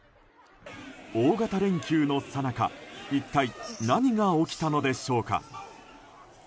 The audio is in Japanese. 大型連休のさなか一体何が起きたのでしょうか。